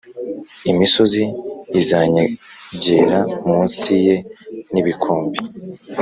Imisozi izayengera munsi ye n ibikombe